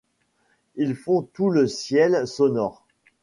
Ils font tout le ciel sonore.